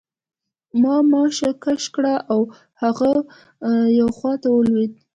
ما ماشه کش کړه او هغه یوې خواته ولوېد